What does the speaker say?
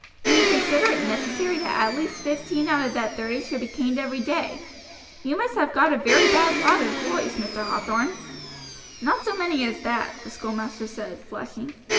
"And you consider it necessary that at least fifteen out of that thirty should be caned every day. You must have got a very bad lot of boys, Mr. Hathorn?" "Not so many as that," the schoolmaster said, flushing.